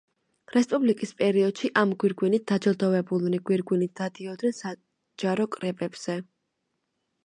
რესპუბლიკის პერიოდში ამ გვირგვინით დაჯილდოვებულნი გვირგვინით დადიოდნენ საჯარო კრებებზე.